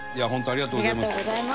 ありがとうございます。